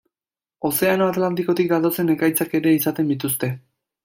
Ozeano Atlantikotik datozen ekaitzak ere izaten dituzte.